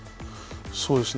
そうですね。